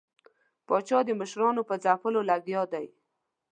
پاچا د مشرانو په ځپلو لګیا دی.